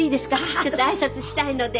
ちょっと挨拶したいので。